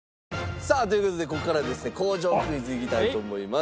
さあという事でここからはですね工場クイズいきたいと思います。